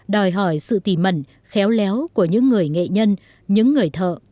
đòi hỏi sự tìm mẩn khéo léo của những người nghệ nhân những người thợ